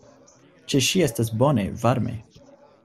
Ĉe ŝi estas bone, varme.